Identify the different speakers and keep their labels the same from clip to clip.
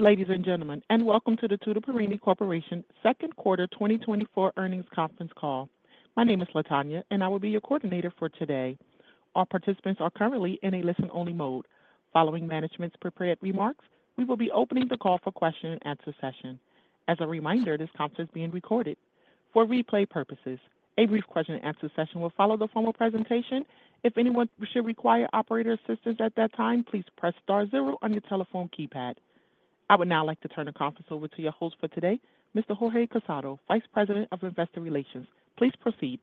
Speaker 1: Ladies and gentlemen, welcome to the Tutor Perini Corporation second quarter 2024 earnings conference call. My name is Latonya, and I will be your coordinator for today. All participants are currently in a listen-only mode. Following management's prepared remarks, we will be opening the call for question and answer session. As a reminder, this conference is being recorded for replay purposes. A brief question and answer session will follow the formal presentation. If anyone should require operator assistance at that time, please press star zero on your telephone keypad. I would now like to turn the conference over to your host for today, Mr. Jorge Casado, Vice President of Investor Relations. Please proceed.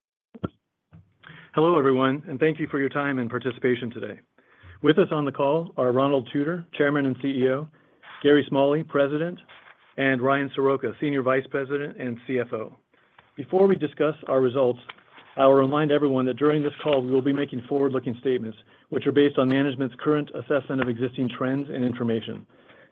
Speaker 2: Hello everyone, and thank you for your time and participation today. With us on the call are Ronald Tutor, Chairman and CEO, Gary Smalley, President, and Ryan Soroka, Senior Vice President and CFO. Before we discuss our results, I will remind everyone that during this call we will be making forward-looking statements which are based on management's current assessment of existing trends and information.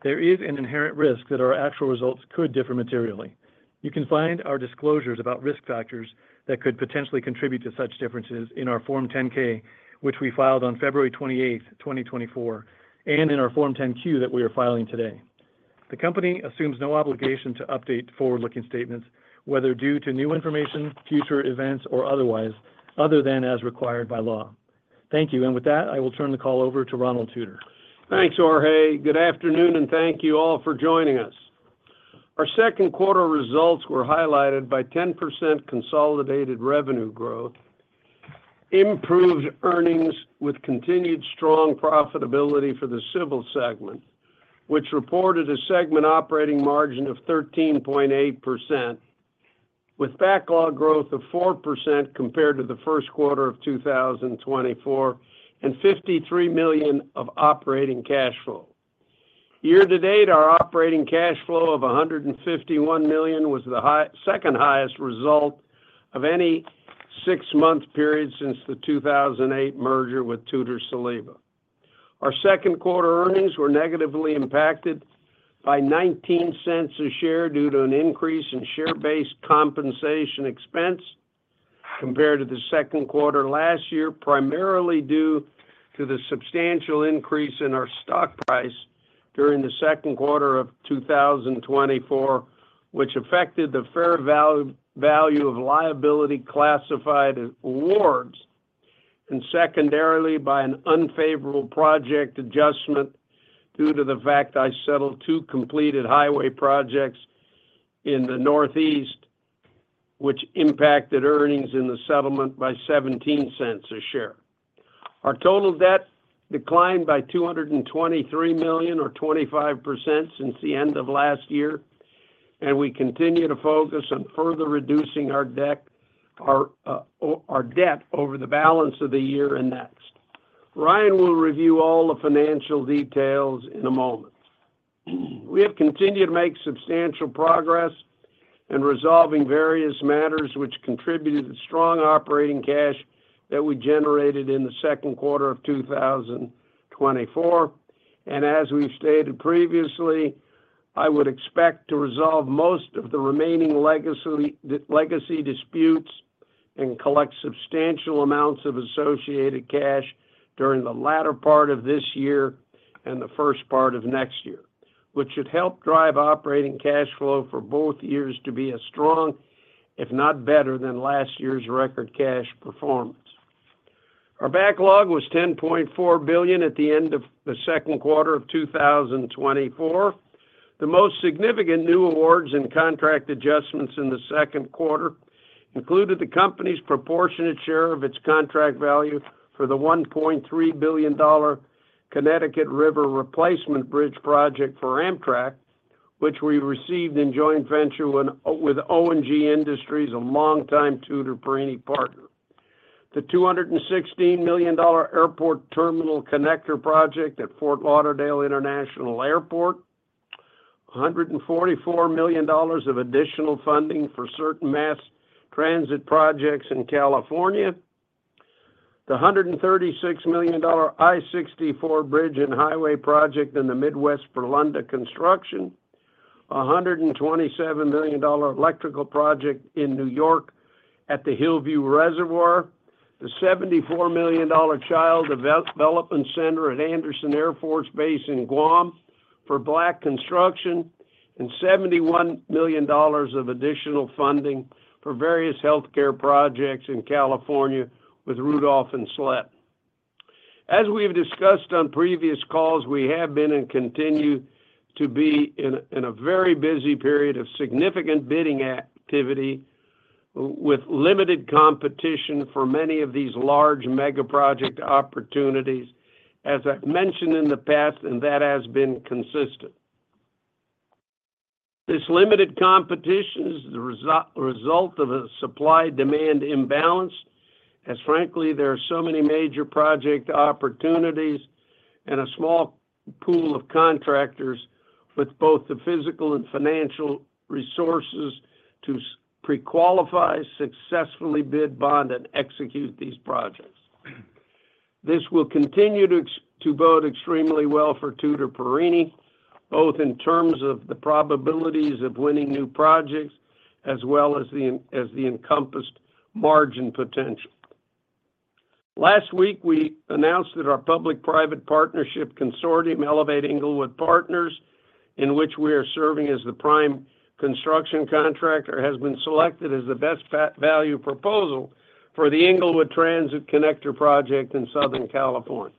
Speaker 2: There is an inherent risk that our actual results could differ materially. You can find our disclosures about risk factors that could potentially contribute to such differences in our Form 10-K, which we filed on February 28th, 2024, and in our Form 10-Q that we are filing today. The company assumes no obligation to update forward-looking statements, whether due to new information, future events, or otherwise, other than as required by law. Thank you, and with that, I will turn the call over to Ronald Tutor.
Speaker 3: Thanks, Jorge. Good afternoon, and thank you all for joining us. Our second quarter results were highlighted by 10% consolidated revenue growth, improved earnings with continued strong profitability for the civil segment, which reported a segment operating margin of 13.8%, with backlog growth of 4% compared to the first quarter of 2024, and $53 million of operating cash flow. Year-to-date, our operating cash flow of $151 million was the second highest result of any six-month period since the 2008 merger with Tutor Perini. Our second quarter earnings were negatively impacted by $0.19 a share due to an increase in share-based compensation expense compared to the second quarter last year, primarily due to the substantial increase in our stock price during the second quarter of 2024, which affected the fair value of liability classified awards, and secondarily by an unfavorable project adjustment due to the fact I settled two completed highway projects in the northeast, which impacted earnings in the settlement by $0.17 a share. Our total debt declined by $223 million, or 25%, since the end of last year, and we continue to focus on further reducing our debt over the balance of the year and next. Ryan will review all the financial details in a moment. We have continued to make substantial progress in resolving various matters which contributed to strong operating cash that we generated in the second quarter of 2024, and as we've stated previously, I would expect to resolve most of the remaining legacy disputes and collect substantial amounts of associated cash during the latter part of this year and the first part of next year, which should help drive operating cash flow for both years to be as strong, if not better, than last year's record cash performance. Our backlog was $10.4 billion at the end of the second quarter of 2024. The most significant new awards and contract adjustments in the second quarter included the company's proportionate share of its contract value for the $1.3 billion Connecticut River replacement bridge project for Amtrak, which we received in joint venture with O&G Industries, a longtime Tutor Perini partner. The $216 million Airport Terminal Connector project at Fort Lauderdale International Airport, $144 million of additional funding for certain mass transit projects in California, the $136 million I-64 bridge and highway project in the Midwest, Black Construction, a $127 million electrical project in New York at the Hillview Reservoir, the $74 million Child Development Center at Andersen Air Force Base in Guam for Black Construction, and $71 million of additional funding for various healthcare projects in California with Rudolph and Sletten. As we've discussed on previous calls, we have been and continue to be in a very busy period of significant bidding activity with limited competition for many of these large mega project opportunities, as I've mentioned in the past, and that has been consistent. This limited competition is the result of a supply-demand imbalance, as frankly, there are so many major project opportunities and a small pool of contractors with both the physical and financial resources to pre-qualify, successfully bid, bond, and execute these projects. This will continue to bode extremely well for Tutor Perini, both in terms of the probabilities of winning new projects as well as the encompassed margin potential. Last week, we announced that our public-private partnership consortium, Elevate Inglewood Partners, in which we are serving as the prime construction contractor, has been selected as the best value proposal for the Inglewood Transit Connector project in Southern California.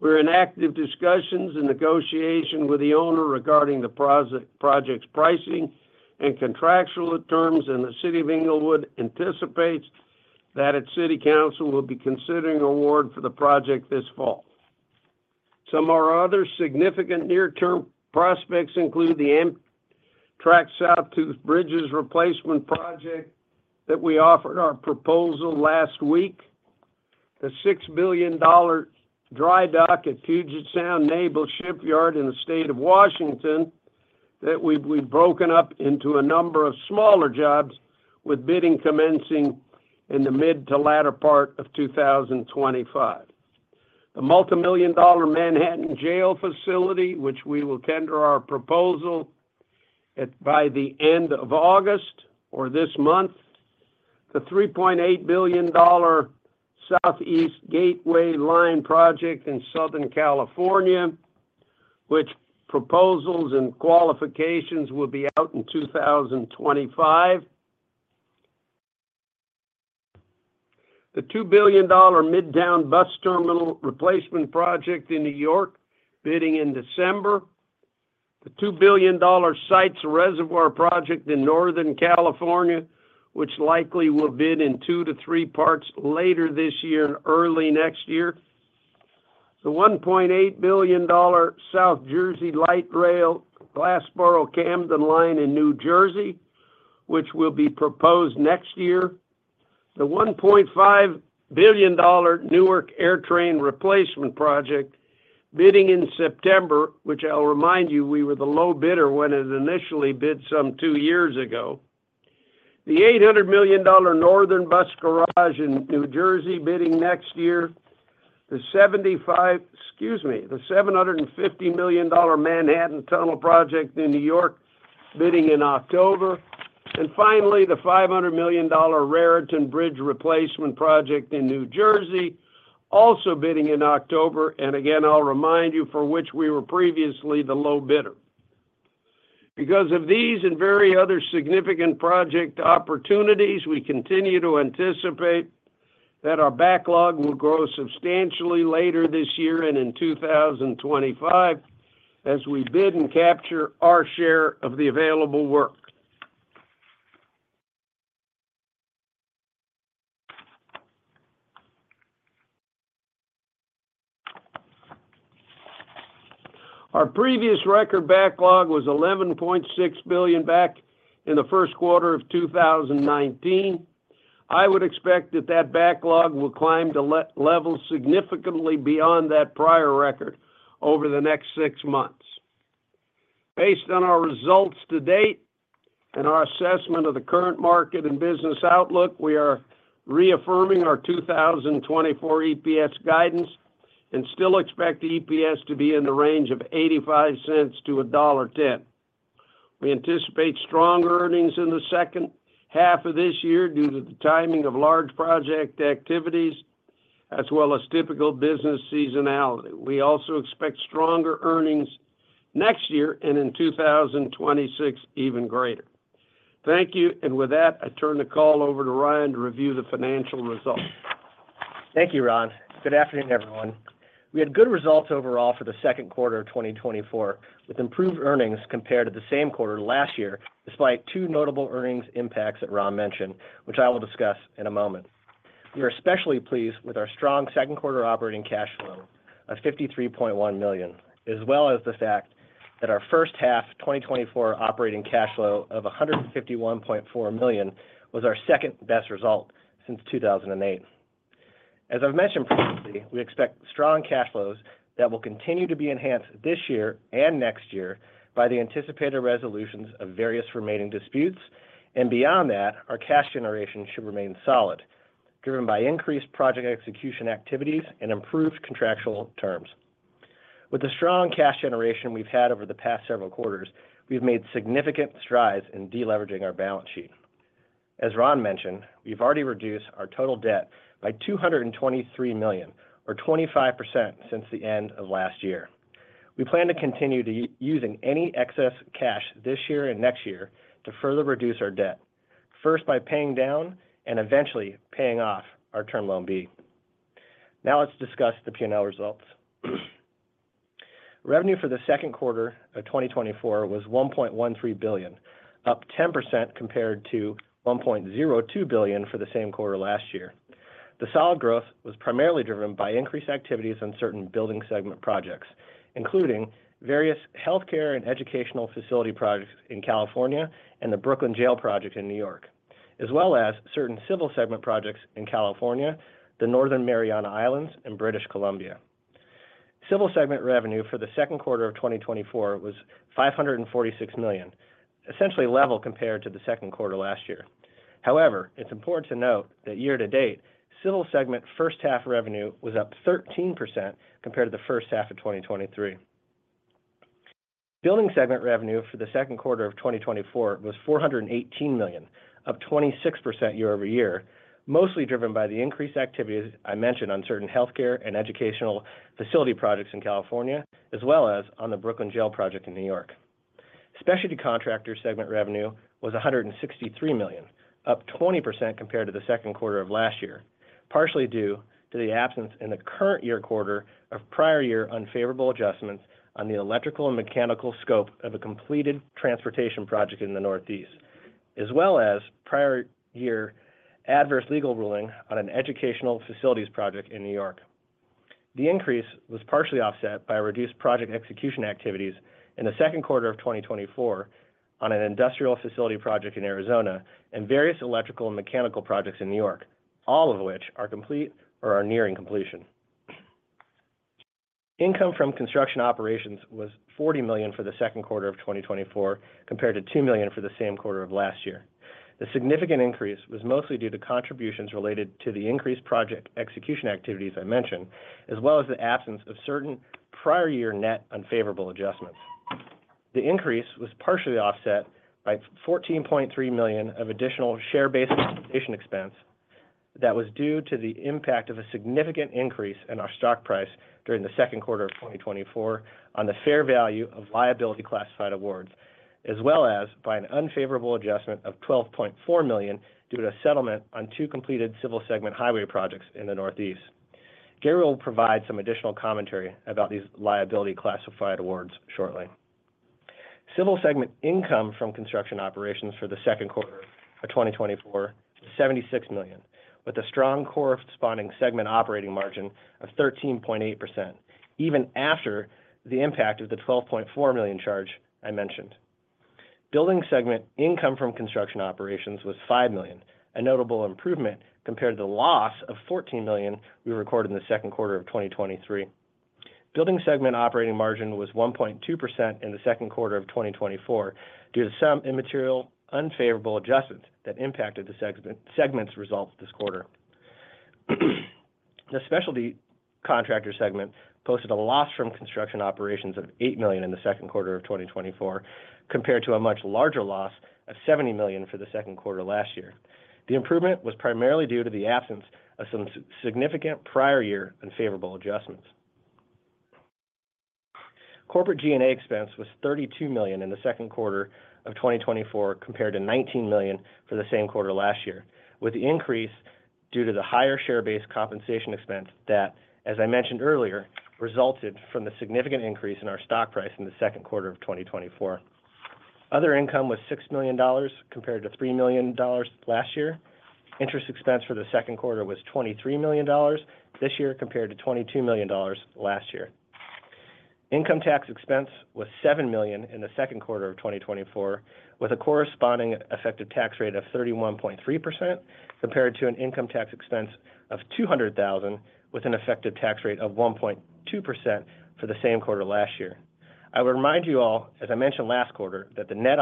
Speaker 3: We're in active discussions and negotiations with the owner regarding the project's pricing and contractual terms, and the City of Inglewood anticipates that its city council will be considering award for the project this fall. Some of our other significant near-term prospects include the Amtrak's Sawtooth Bridges Replacement Project that we offered our proposal last week, the $6 billion dry dock at Puget Sound Naval Shipyard in the state of Washington that we've broken up into a number of smaller jobs with bidding commencing in the mid- to latter part of 2025, the multimillion-dollar Manhattan Jail Facility, which we will tender our proposal by the end of August or this month. The $3.8 billion Southeast Gateway Line project in Southern California, which proposals and qualifications will be out in 2025, the $2 billion Midtown Bus Terminal Replacement Project in New York bidding in December, the $2 billion Sites Reservoir Project in Northern California, which likely will bid in two to three parts later this year and early next year, the $1.8 billion South Jersey Light Rail Glassboro-Camden Line in New Jersey, which will be proposed next year. The $1.5 billion Newark AirTrain Replacement Project bidding in September, which I'll remind you we were the low bidder when it initially bid some two years ago, the $800 million Northern Bus Garage in New Jersey bidding next year, the $750 million Manhattan Tunnel Project in New York bidding in October, and finally, the $500 million Raritan Bridge Replacement Project in New Jersey also bidding in October, and again, I'll remind you for which we were previously the low bidder. Because of these and various other significant project opportunities, we continue to anticipate that our backlog will grow substantially later this year and in 2025 as we bid and capture our share of the available work. Our previous record backlog was $11.6 billion back in the first quarter of 2019. I would expect that that backlog will climb to levels significantly beyond that prior record over the next six months. Based on our results to date and our assessment of the current market and business outlook, we are reaffirming our 2024 EPS guidance and still expect the EPS to be in the range of $0.85-$1.10. We anticipate strong earnings in the second half of this year due to the timing of large project activities as well as typical business seasonality. We also expect stronger earnings next year and in 2026, even greater. Thank you, and with that, I turn the call over to Ryan to review the financial results.
Speaker 4: Thank you, Ron. Good afternoon, everyone. We had good results overall for the second quarter of 2024, with improved earnings compared to the same quarter last year, despite two notable earnings impacts that Ron mentioned, which I will discuss in a moment. We are especially pleased with our strong second quarter operating cash flow of $53.1 million, as well as the fact that our first half 2024 operating cash flow of $151.4 million was our second best result since 2008. As I've mentioned previously, we expect strong cash flows that will continue to be enhanced this year and next year by the anticipated resolutions of various remaining disputes, and beyond that, our cash generation should remain solid, driven by increased project execution activities and improved contractual terms. With the strong cash generation we've had over the past several quarters, we've made significant strides in deleveraging our balance sheet. As Ron mentioned, we've already reduced our total debt by $223 million, or 25%, since the end of last year. We plan to continue using any excess cash this year and next year to further reduce our debt, first by paying down and eventually paying off our Term Loan B. Now let's discuss the P&L results. Revenue for the second quarter of 2024 was $1.13 billion, up 10% compared to $1.02 billion for the same quarter last year. The solid growth was primarily driven by increased activities on certain building segment projects, including various healthcare and educational facility projects in California and the Brooklyn Jail project in New York, as well as certain civil segment projects in California, the Northern Mariana Islands, and British Columbia. Civil segment revenue for the second quarter of 2024 was $546 million, essentially level compared to the second quarter last year. However, it's important to note that year-to-date, civil segment first half revenue was up 13% compared to the first half of 2023. Building segment revenue for the second quarter of 2024 was $418 million, up 26% year-over-year, mostly driven by the increased activities I mentioned on certain healthcare and educational facility projects in California, as well as on the Brooklyn Jail project in New York. Specialty contractor segment revenue was $163 million, up 20% compared to the second quarter of last year, partially due to the absence in the current year quarter of prior year unfavorable adjustments on the electrical and mechanical scope of a completed transportation project in the Northeast, as well as prior year adverse legal ruling on an educational facilities project in New York. The increase was partially offset by reduced project execution activities in the second quarter of 2024 on an industrial facility project in Arizona and various electrical and mechanical projects in New York, all of which are complete or are nearing completion. Income from construction operations was $40 million for the second quarter of 2024 compared to $2 million for the same quarter of last year. The significant increase was mostly due to contributions related to the increased project execution activities I mentioned, as well as the absence of certain prior year net unfavorable adjustments. The increase was partially offset by $14.3 million of additional share-based expenses that was due to the impact of a significant increase in our stock price during the second quarter of 2024 on the fair value of liability classified awards, as well as by an unfavorable adjustment of $12.4 million due to a settlement on two completed civil segment highway projects in the Northeast. Gary will provide some additional commentary about these liability classified awards shortly. Civil segment income from construction operations for the second quarter of 2024 was $76 million, with a strong corresponding segment operating margin of 13.8%, even after the impact of the $12.4 million charge I mentioned. Building segment income from construction operations was $5 million, a notable improvement compared to the loss of $14 million we recorded in the second quarter of 2023. Building segment operating margin was 1.2% in the second quarter of 2024 due to some immaterial unfavorable adjustments that impacted the segment's results this quarter. The specialty contractor segment posted a loss from construction operations of $8 million in the second quarter of 2024 compared to a much larger loss of $70 million for the second quarter last year. The improvement was primarily due to the absence of some significant prior year unfavorable adjustments. Corporate G&A expense was $32 million in the second quarter of 2024 compared to $19 million for the same quarter last year, with the increase due to the higher share-based compensation expense that, as I mentioned earlier, resulted from the significant increase in our stock price in the second quarter of 2024. Other income was $6 million compared to $3 million last year. Interest expense for the second quarter was $23 million this year compared to $22 million last year. Income tax expense was $7 million in the second quarter of 2024, with a corresponding effective tax rate of 31.3% compared to an income tax expense of $200,000, with an effective tax rate of 1.2% for the same quarter last year. I would remind you all, as I mentioned last quarter, that the net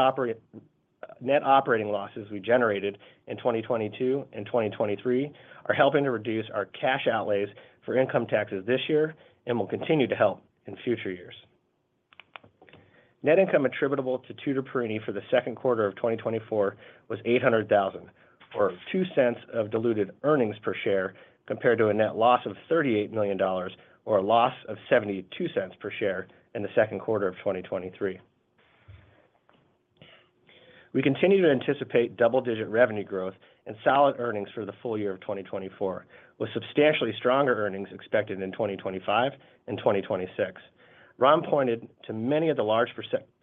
Speaker 4: operating losses we generated in 2022 and 2023 are helping to reduce our cash outlays for income taxes this year and will continue to help in future years. Net income attributable to Tutor Perini for the second quarter of 2024 was $800,000, or $0.02 of diluted earnings per share compared to a net loss of $38 million, or a loss of $0.72 per share in the second quarter of 2023. We continue to anticipate double-digit revenue growth and solid earnings for the full year of 2024, with substantially stronger earnings expected in 2025 and 2026. Ron pointed to many of the large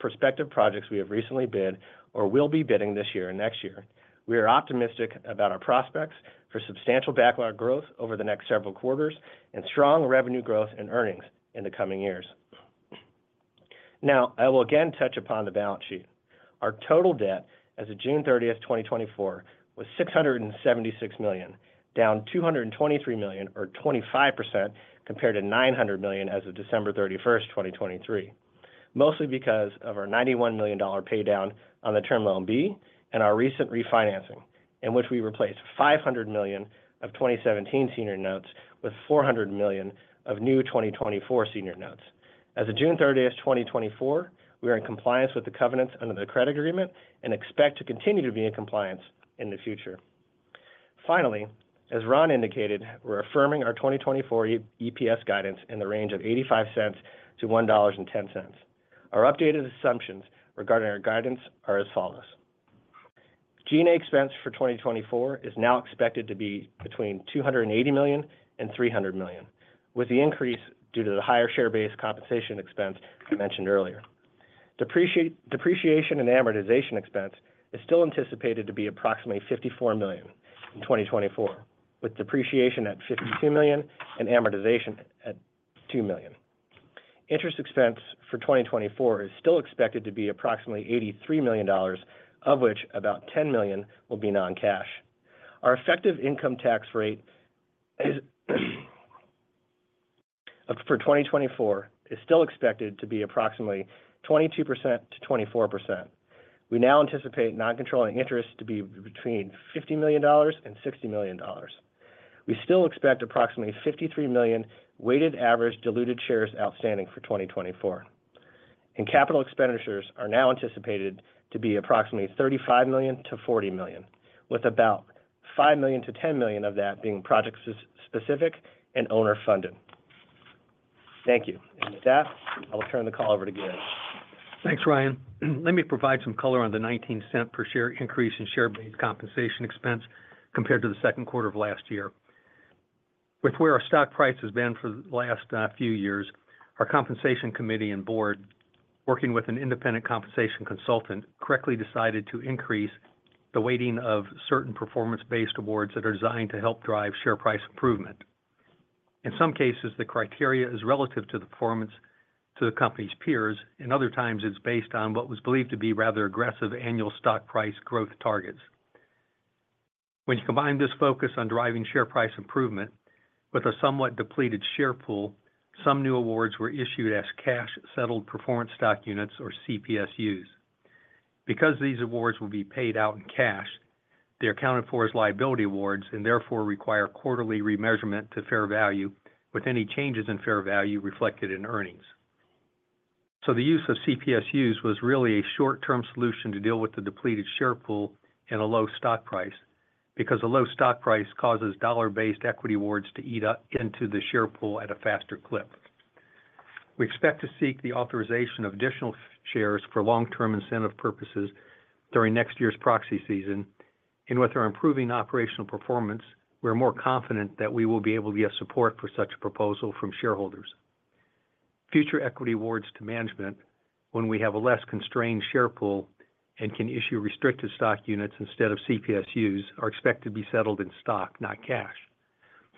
Speaker 4: prospective projects we have recently bid or will be bidding this year and next year. We are optimistic about our prospects for substantial backlog growth over the next several quarters and strong revenue growth and earnings in the coming years. Now, I will again touch upon the balance sheet. Our total debt as of June 30th, 2024, was $676 million, down $223 million, or 25%, compared to $900 million as of December 31st, 2023, mostly because of our $91 million paydown on the Term Loan B and our recent refinancing, in which we replaced $500 million of 2017 senior notes with $400 million of new 2024 senior notes. As of June 30th, 2024, we are in compliance with the covenants under the credit agreement and expect to continue to be in compliance in the future. Finally, as Ron indicated, we're affirming our 2024 EPS guidance in the range of $0.85-$1.10. Our updated assumptions regarding our guidance are as follows. G&A expense for 2024 is now expected to be between $280 million and $300 million, with the increase due to the higher share-based compensation expense I mentioned earlier. Depreciation and amortization expense is still anticipated to be approximately $54 million in 2024, with depreciation at $52 million and amortization at $2 million. Interest expense for 2024 is still expected to be approximately $83 million, of which about $10 million will be non-cash. Our effective income tax rate for 2024 is still expected to be approximately 22%-24%. We now anticipate non-controlling interest to be between $50 million and $60 million. We still expect approximately 53 million weighted average diluted shares outstanding for 2024. Capital expenditures are now anticipated to be approximately $35 million-$40 million, with about $5 million-$10 million of that being project-specific and owner-funded. Thank you. With that, I will turn the call over to Gary.
Speaker 5: Thanks, Ryan. Let me provide some color on the $0.19 per share increase in share-based compensation expense compared to the second quarter of last year. With where our stock price has been for the last few years, our compensation committee and board, working with an independent compensation consultant, correctly decided to increase the weighting of certain performance-based awards that are designed to help drive share price improvement. In some cases, the criteria is relative to the performance to the company's peers, and other times it's based on what was believed to be rather aggressive annual stock price growth targets. When you combine this focus on driving share price improvement with a somewhat depleted share pool, some new awards were issued as cash-settled performance stock units, or CPSUs. Because these awards will be paid out in cash, they're accounted for as liability awards and therefore require quarterly remeasurement to fair value with any changes in fair value reflected in earnings. The use of CPSUs was really a short-term solution to deal with the depleted share pool and a low stock price because a low stock price causes dollar-based equity awards to eat into the share pool at a faster clip. We expect to seek the authorization of additional shares for long-term incentive purposes during next year's proxy season, and with our improving operational performance, we're more confident that we will be able to get support for such a proposal from shareholders. Future equity awards to management, when we have a less constrained share pool and can issue restricted stock units instead of CPSUs, are expected to be settled in stock, not cash.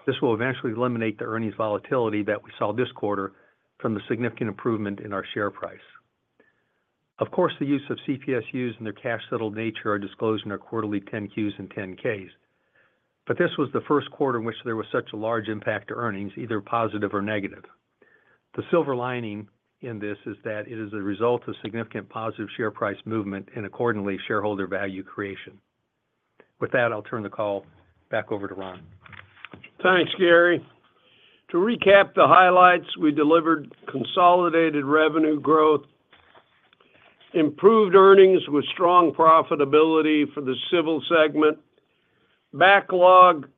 Speaker 5: This will eventually eliminate the earnings volatility that we saw this quarter from the significant improvement in our share price. Of course, the use of CPSUs and their cash-settled nature are disclosed in our quarterly 10-Qs and 10-Ks, but this was the first quarter in which there was such a large impact to earnings, either positive or negative. The silver lining in this is that it is a result of significant positive share price movement and accordingly shareholder value creation. With that, I'll turn the call back over to Ron.
Speaker 3: Thanks, Gary. To recap the highlights, we delivered consolidated revenue growth, improved earnings with strong profitability for the civil segment, backlog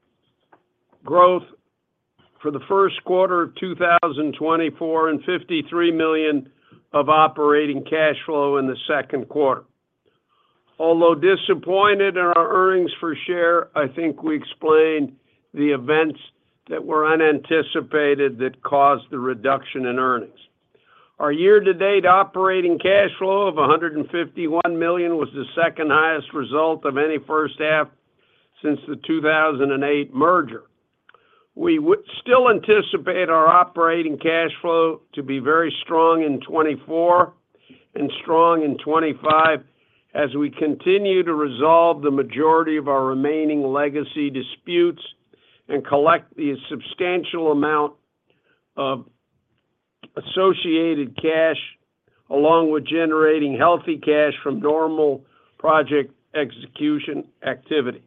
Speaker 3: growth for the first quarter of 2024, and $53 million of operating cash flow in the second quarter. Although disappointed in our earnings per share, I think we explained the events that were unanticipated that caused the reduction in earnings. Our year-to-date operating cash flow of $151 million was the second highest result of any first half since the 2008 merger. We still anticipate our operating cash flow to be very strong in 2024 and strong in 2025 as we continue to resolve the majority of our remaining legacy disputes and collect the substantial amount of associated cash, along with generating healthy cash from normal project execution activities.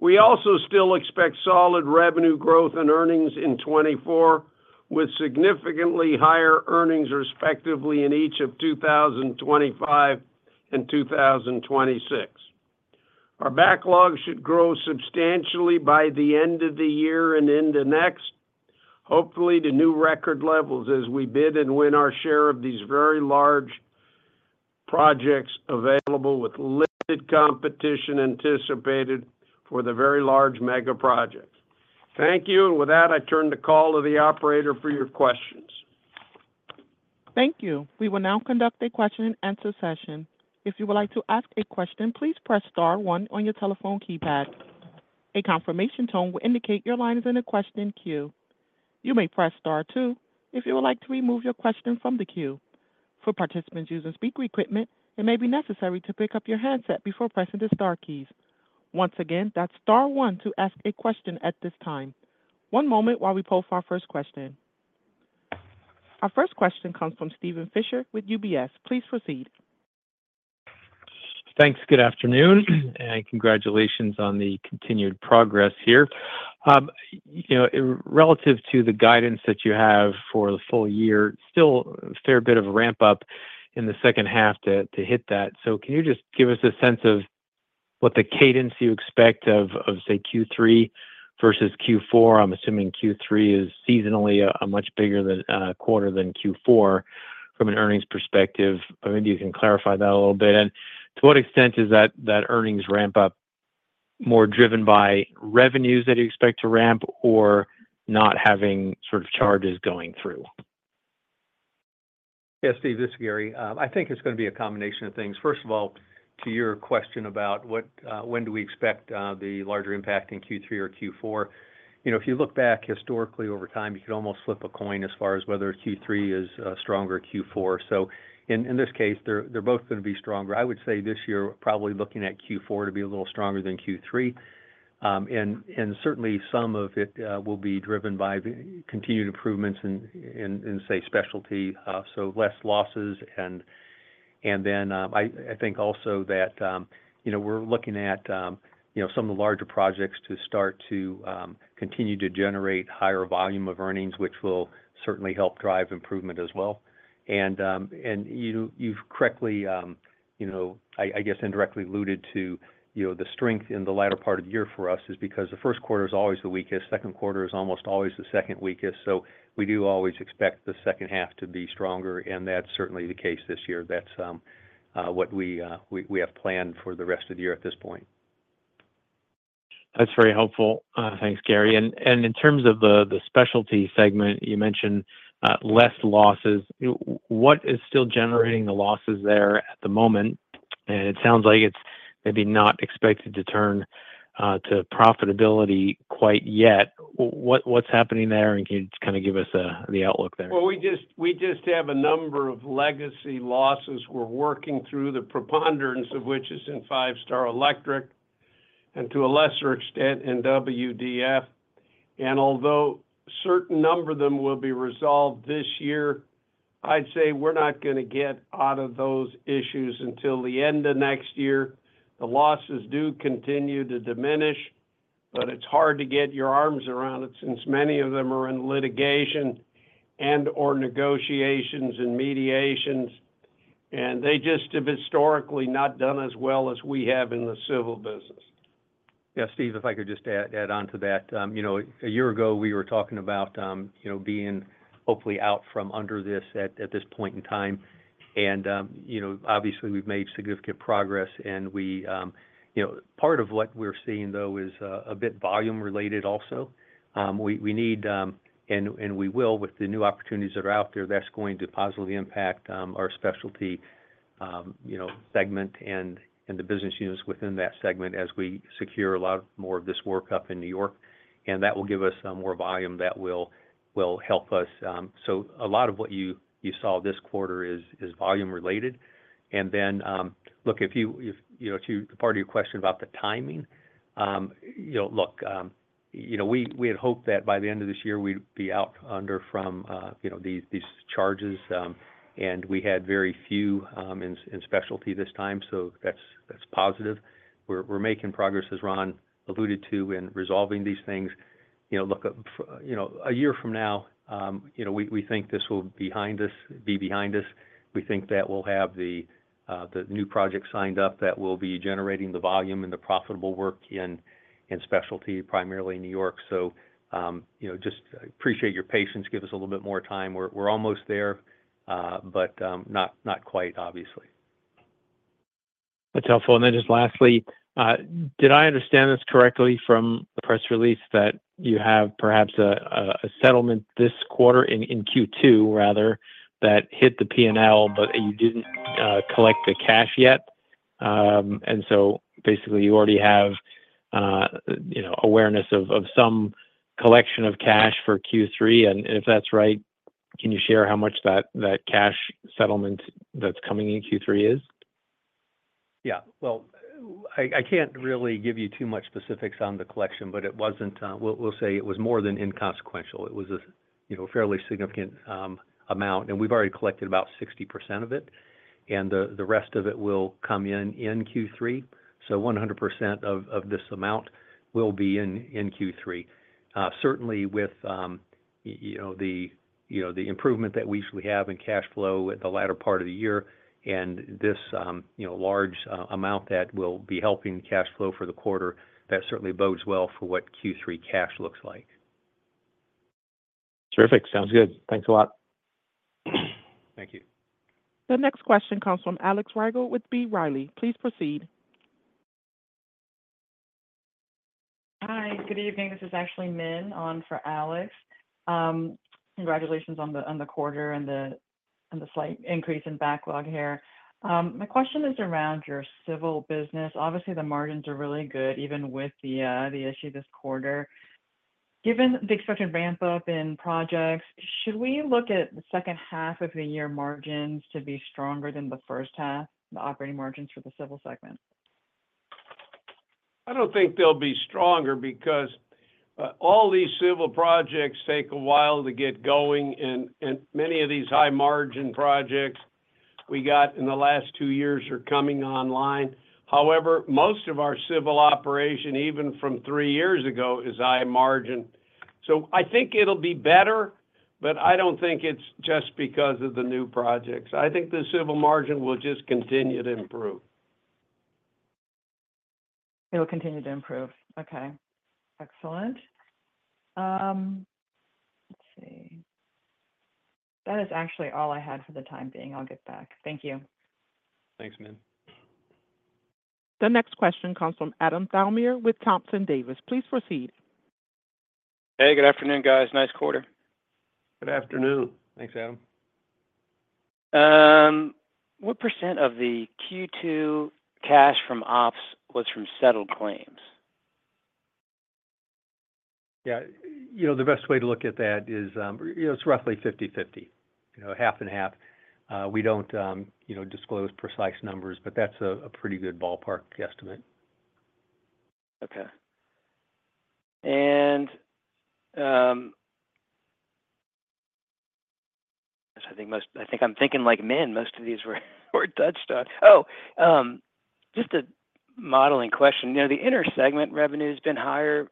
Speaker 3: We also still expect solid revenue growth and earnings in 2024, with significantly higher earnings respectively in each of 2025 and 2026. Our backlog should grow substantially by the end of the year and into next, hopefully to new record levels as we bid and win our share of these very large projects available, with limited competition anticipated for the very large mega projects. Thank you. And with that, I turn the call to the operator for your questions.
Speaker 1: Thank you. We will now conduct a question-and-answer session. If you would like to ask a question, please press star one on your telephone keypad. A confirmation tone will indicate your line is in a question queue. You may press star two if you would like to remove your question from the queue. For participants using speaker equipment, it may be necessary to pick up your handset before pressing the star keys. Once again, that's star one to ask a question at this time. One moment while we post our first question. Our first question comes from Steven Fisher with UBS. Please proceed.
Speaker 6: Thanks. Good afternoon, and congratulations on the continued progress here. Relative to the guidance that you have for the full year, still a fair bit of a ramp-up in the second half to hit that. So can you just give us a sense of what the cadence you expect of, say, Q3 versus Q4? I'm assuming Q3 is seasonally a much bigger quarter than Q4 from an earnings perspective. Maybe you can clarify that a little bit. To what extent is that earnings ramp-up more driven by revenues that you expect to ramp or not having sort of charges going through?
Speaker 5: Yes, Steve, this is Gary. I think it's going to be a combination of things. First of all, to your question about when do we expect the larger impact in Q3 or Q4, if you look back historically over time, you can almost flip a coin as far as whether Q3 is stronger or Q4. So in this case, they're both going to be stronger. I would say this year, probably looking at Q4 to be a little stronger than Q3. And certainly, some of it will be driven by continued improvements in, say, specialty, so less losses. And then I think also that we're looking at some of the larger projects to start to continue to generate higher volume of earnings, which will certainly help drive improvement as well. You've correctly, I guess, indirectly alluded to the strength in the latter part of the year for us is because the first quarter is always the weakest. Second quarter is almost always the second weakest. So we do always expect the second half to be stronger, and that's certainly the case this year. That's what we have planned for the rest of the year at this point.
Speaker 6: That's very helpful. Thanks, Gary. In terms of the specialty segment, you mentioned less losses. What is still generating the losses there at the moment? And it sounds like it's maybe not expected to turn to profitability quite yet. What's happening there, and can you just kind of give us the outlook there?
Speaker 3: Well, we just have a number of legacy losses. We're working through the preponderance of which is in Five Star Electric and to a lesser extent in WDF. And although a certain number of them will be resolved this year, I'd say we're not going to get out of those issues until the end of next year. The losses do continue to diminish, but it's hard to get your arms around it since many of them are in litigation and/or negotiations and mediations. And they just have historically not done as well as we have in the civil business.
Speaker 5: Yes, Steve, if I could just add on to that. A year ago, we were talking about being hopefully out from under this at this point in time. And obviously, we've made significant progress. And part of what we're seeing, though, is a bit volume-related also. We need, and we will, with the new opportunities that are out there, that's going to positively impact our specialty segment and the business units within that segment as we secure a lot more of this work up in New York. And that will give us more volume that will help us. So a lot of what you saw this quarter is volume-related. And then, look, if you, part of your question about the timing, look, we had hoped that by the end of this year, we'd be out from under these charges. And we had very few in specialty this time, so that's positive. We're making progress, as Ron alluded to, in resolving these things. Look, a year from now, we think this will be behind us. We think that we'll have the new projects signed up that will be generating the volume and the profitable work in specialty, primarily in New York. So just appreciate your patience. Give us a little bit more time. We're almost there, but not quite, obviously.
Speaker 6: That's helpful. And then just lastly, did I understand this correctly from the press release that you have perhaps a settlement this quarter in Q2, rather, that hit the P&L, but you didn't collect the cash yet? And so basically, you already have awareness of some collection of cash for Q3. And if that's right, can you share how much that cash settlement that's coming in Q3 is?
Speaker 5: Yeah. Well, I can't really give you too much specifics on the collection, but we'll say it was more than inconsequential. It was a fairly significant amount. We've already collected about 60% of it. The rest of it will come in Q3. 100% of this amount will be in Q3, certainly with the improvement that we usually have in cash flow at the latter part of the year and this large amount that will be helping cash flow for the quarter. That certainly bodes well for what Q3 cash looks like.
Speaker 6: Terrific. Sounds good. Thanks a lot.
Speaker 5: Thank you.
Speaker 1: The next question comes from Alex Rygiel with B. Riley. Please proceed.
Speaker 7: Hi. Good evening. This is actually Min on for Alex. Congratulations on the quarter and the slight increase in backlog here. My question is around your civil business. Obviously, the margins are really good, even with the issue this quarter. Given the expected ramp-up in projects, should we look at the second half of the year margins to be stronger than the first half, the operating margins for the civil segment?
Speaker 3: I don't think they'll be stronger because all these civil projects take a while to get going. Many of these high-margin projects we got in the last two years are coming online. However, most of our civil operation, even from three years ago, is high margin. I think it'll be better, but I don't think it's just because of the new projects. I think the civil margin will just continue to improve.
Speaker 7: It'll continue to improve. Okay. Excellent. Let's see. That is actually all I had for the time being. I'll get back. Thank you.
Speaker 5: Thanks, Min.
Speaker 1: The next question comes from Adam Thalhimer with Thompson Davis. Please proceed.
Speaker 8: Hey, good afternoon, guys. Nice quarter.
Speaker 3: Good afternoon.
Speaker 5: Thanks, Adam.
Speaker 8: What % of the Q2 cash from ops was from settled claims?
Speaker 5: Yeah. The best way to look at that is it's roughly 50/50, half and half. We don't disclose precise numbers, but that's a pretty good ballpark estimate.
Speaker 8: Okay. I think I'm thinking like Min. Most of these were touched on. Oh, just a modeling question. The inner segment revenue has been higher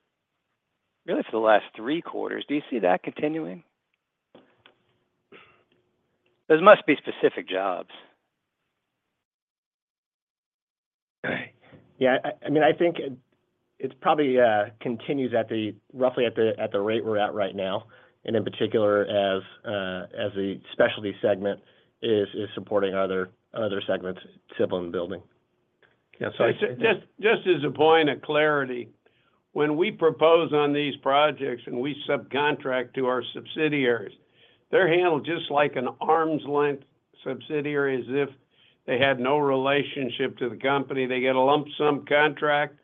Speaker 8: really for the last three quarters. Do you see that continuing? Those must be specific jobs.
Speaker 4: Yeah. I mean, I think it probably continues roughly at the rate we're at right now, and in particular, as the specialty segment is supporting other segments, civil and building. Yeah. Sorry.
Speaker 3: Just as a point of clarity, when we propose on these projects and we subcontract to our subsidiaries, they're handled just like an arm's length subsidiary as if they had no relationship to the company. They get a lump sum contract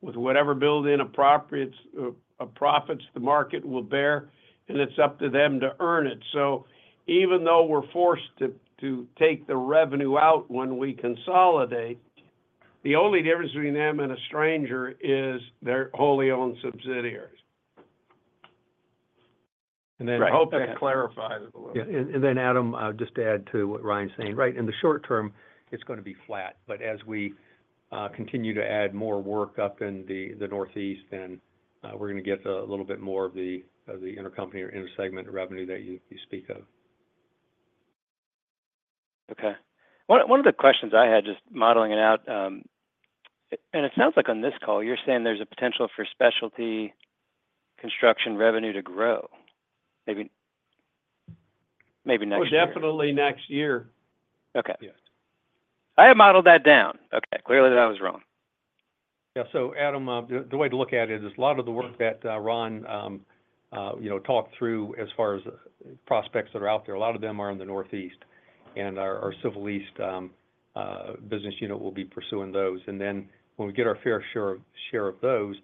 Speaker 3: with whatever building profits the market will bear, and it's up to them to earn it. So even though we're forced to take the revenue out when we consolidate, the only difference between them and a stranger is they're wholly owned subsidiaries. I hope that clarifies it a little bit.
Speaker 5: And then, Adam, just to add to what Ryan's saying, right? In the short term, it's going to be flat. But as we continue to add more work up in the Northeast, then we're going to get a little bit more of the intercompany or inner segment revenue that you speak of.
Speaker 8: Okay. One of the questions I had, just modeling it out, and it sounds like on this call, you're saying there's a potential for specialty construction revenue to grow, maybe next year.
Speaker 3: We're definitely next year.
Speaker 8: Okay. I have modeled that down. Okay. Clearly, that was wrong.
Speaker 5: Yeah. So, Adam, the way to look at it is a lot of the work that Ron talked through as far as prospects that are out there, a lot of them are in the Northeast. And our Civil East business unit will be pursuing those. And then when we get our fair share of those,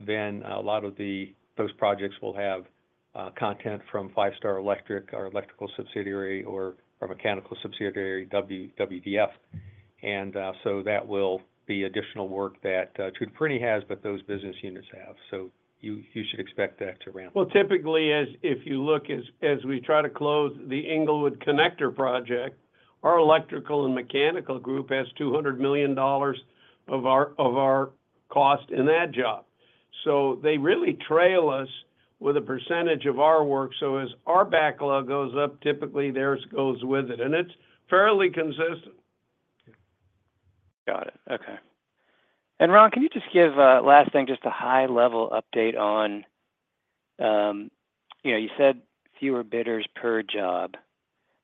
Speaker 5: then a lot of those projects will have content from Five Star Electric, our electrical subsidiary, or our mechanical subsidiary, WDF. And so that will be additional work that Tutor Perini has, but those business units have. So you should expect that to ramp up.
Speaker 3: Well, typically, if you look as we try to close the Inglewood connector project, our electrical and mechanical group has $200 million of our cost in that job. So they really trail us with a percentage of our work. So as our backlog goes up, typically, theirs goes with it. And it's fairly consistent.
Speaker 8: Got it. Okay. And Ron, can you just give a last thing, just a high-level update on what you said fewer bidders per job?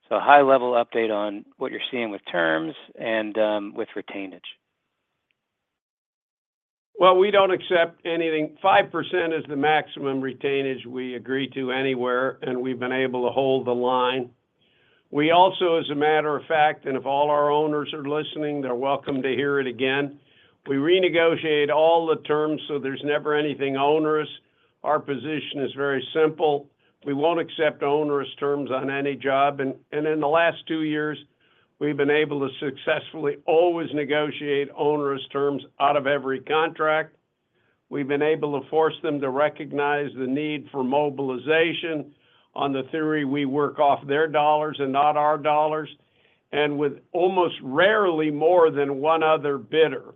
Speaker 8: So a high-level update on what you're seeing with terms and with retainage?
Speaker 3: Well, we don't accept anything. 5% is the maximum retainage we agree to anywhere, and we've been able to hold the line. We also, as a matter of fact, and if all our owners are listening, they're welcome to hear it again, we renegotiate all the terms so there's never anything onerous. Our position is very simple. We won't accept onerous terms on any job. And in the last two years, we've been able to successfully always negotiate onerous terms out of every contract. We've been able to force them to recognize the need for mobilization on the theory we work off their dollars and not our dollars. And with almost rarely more than one other bidder,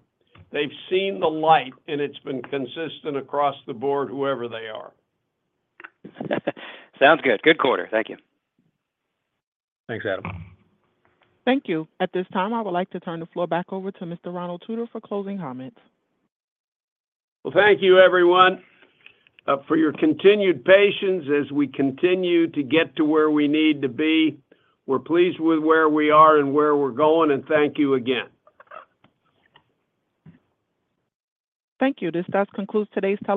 Speaker 3: they've seen the light, and it's been consistent across the board, whoever they are.
Speaker 8: Sounds good. Good quarter. Thank you.
Speaker 5: Thanks, Adam.
Speaker 1: Thank you. At this time, I would like to turn the floor back over to Mr. Ronald Tutor for closing comments.
Speaker 3: Well, thank you, everyone, for your continued patience as we continue to get to where we need to be. We're pleased with where we are and where we're going. Thank you again.
Speaker 1: Thank you. This does conclude today's.